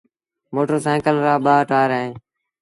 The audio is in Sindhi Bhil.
موٽر سآئيٚڪل رآٻآ ٽآئير اوهيݩ۔